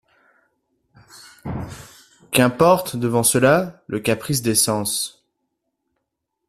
Qu'importe, devant cela, le caprice des sens?